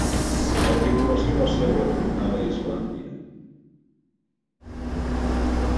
La tripulació va ser retornada a Islàndia.